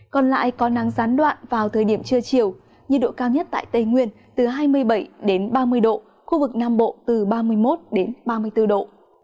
còn lại có nắng gián đoạn vào thời điểm trưa chiều nhiệt độ cao nhất tại tây nguyên từ hai mươi bảy ba mươi độ khu vực nam bộ từ ba mươi một ba mươi bốn độ